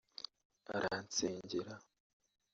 aransengera